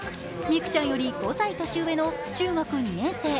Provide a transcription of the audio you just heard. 美空ちゃんより５歳年上の中学２年生。